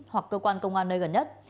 hoặc cơ quan công an nơi gần nhất